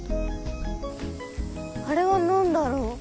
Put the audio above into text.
あれは何だろう？